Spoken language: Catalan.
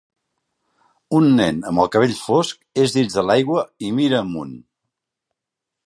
Un nen amb el cabell fosc és dins de l'aigua i mira amunt.